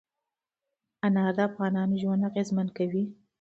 انار د افغانانو ژوند اغېزمن کوي.